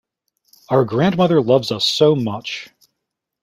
Our grandmother loves us so much.